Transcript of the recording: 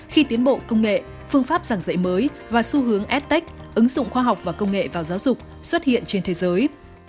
khi tiến bộ công nghệ phương pháp giảng dạy mới và xu hướng stec ứng dụng khoa học và công nghệ vào giáo dục xuất hiện trên thế giới